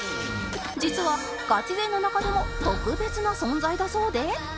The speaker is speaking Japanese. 実はガチ勢の中でも特別な存在だそうで